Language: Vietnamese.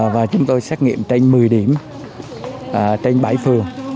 và chúng tôi xét nghiệm trên một mươi điểm trên bảy phường